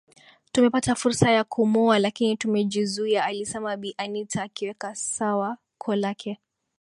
Tumepata fursa ya kumuua lakini tumejizuiaalisema Bi Anita akiweka sawa koo lake